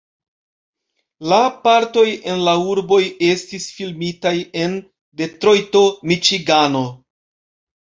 La partoj en la urboj estis filmitaj en Detrojto, Miĉigano.